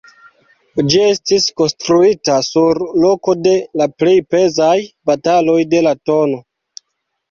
Ĝi estis konstruita sur loko de la plej pezaj bataloj de la tn.